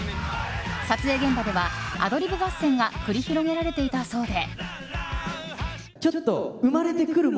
撮影現場ではアドリブ合戦が繰り広げられていたそうで。